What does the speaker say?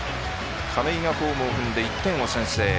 亀井がホームを踏んで１点先制。